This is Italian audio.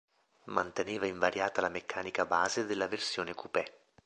Manteneva invariata la meccanica base della versione coupé.